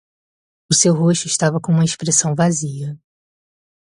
O seu rosto estava com uma expressão vazia.